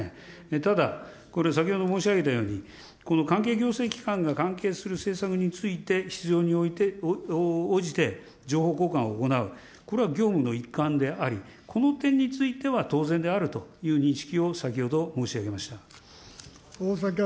ただ、これ、先ほど申し上げたように、この関係行政機関が関係する政策について必要に応じて、情報公開を行う、これは業務の一環であり、この点については、当然であるという認識を、先ほど申し上げました。